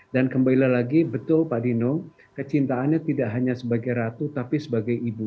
kembali lagi betul pak dino kecintaannya tidak hanya sebagai ratu tapi sebagai ibu